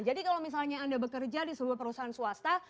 jadi kalau misalnya anda bekerja di sebuah perusahaan swasta